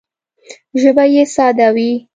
ژبه یې ساده وي